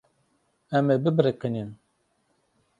Em ê bibiriqînin.